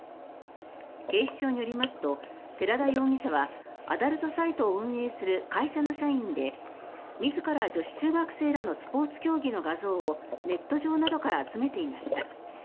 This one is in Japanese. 警視庁によりますと寺田容疑者はアダルトサイトを運営する会社の社員で自ら女子中学生らのスポーツ競技の画像をネット上などから集めていました。